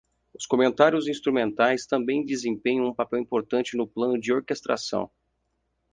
Os comentários instrumentais também desempenham um papel importante no plano de orquestração.